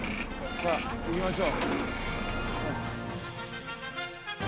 さあ行きましょう。